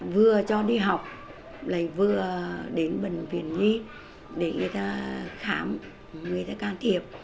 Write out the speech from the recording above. vừa cho đi học lại vừa đến bệnh viện nhi để người ta khám người ta can thiệp